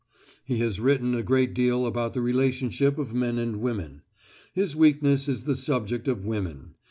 He has written a great deal about the relationship of men and women. His weakness is the subject of women.